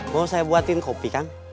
mau saya buatin kopi kan